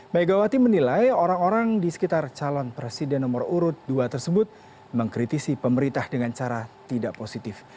megawati menilai orang orang di sekitar calon presiden nomor urut dua tersebut mengkritisi pemerintah dengan cara tidak positif